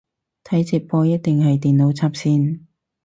睇直播一定係電腦插線